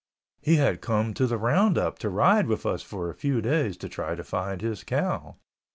He had come to the round up to ride with us for a few days to try to find his cow.